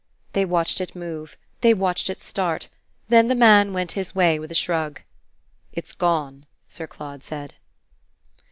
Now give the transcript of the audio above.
They watched it move, they watched it start; then the man went his way with a shrug. "It's gone!" Sir Claude said.